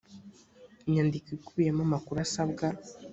inyandiko ikubiyemo amakuru asabwa